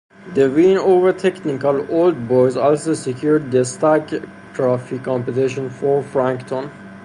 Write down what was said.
The win over Technical Old Boys also secured the Stag Trophy competition for Frankton.